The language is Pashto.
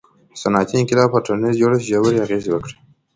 • صنعتي انقلاب پر ټولنیز جوړښت ژورې اغیزې وکړې.